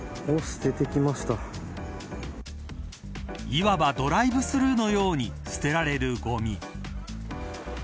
いわばドライブスルーのように捨てられるごみ。